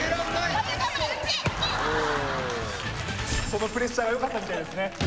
そのプレッシャーがよかったみたいですね